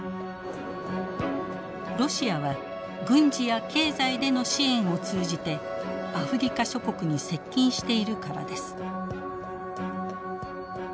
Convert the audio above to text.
ロシアは軍事や経済での支援を通じてアフリカ諸国に接近しているからです。